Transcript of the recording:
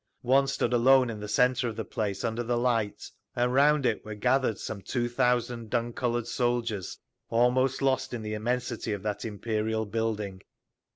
One stood alone in the centre of the place, under the light, and round it were gathered some two thousand dun colored soldiers, almost lost in the immensity of that imperial building.